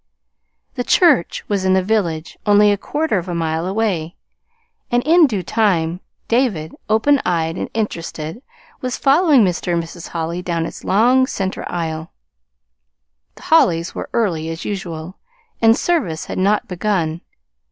The church was in the village only a quarter of a mile away; and in due time David, open eyed and interested, was following Mr. and Mrs. Holly down its long center aisle. The Hollys were early as usual, and service had not begun.